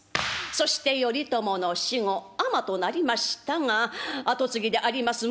そして頼朝の死後尼となりましたが跡継ぎであります